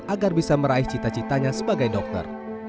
agar bisa meraih cita citanya sebagai dokter